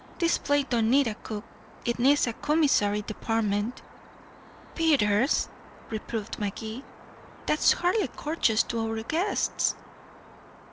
This place don't need a cook, it needs a commissary department." "Peters," reproved Magee. "That's hardly courteous to our guests."